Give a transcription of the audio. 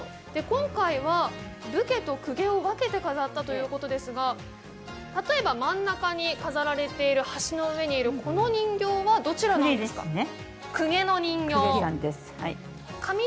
今回は武家と公家を分けて飾ったということなんですが例えば真ん中に飾られている橋の上にいるこの人形はどちらの人形ですか？